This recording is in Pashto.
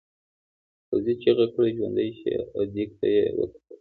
پوځي چیغه کړه ژوندي شئ او دېگ ته یې وکتل.